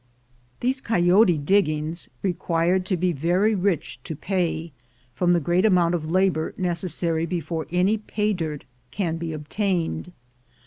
These coyote diggings require to be very rich to pay, from the great amount of labor necessary before any pay dirt can be obtained.